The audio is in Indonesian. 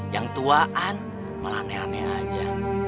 yang tuaan malah aneh aneh aja